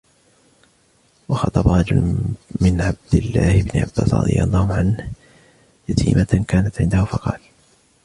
وَخَطَبَ رَجُلٌ مِنْ عَبْدِ اللَّهِ بْنِ عَبَّاسٍ رَضِيَ اللَّهُ عَنْهُمَا يَتِيمَةً كَانَتْ عِنْدَهُ فَقَالَ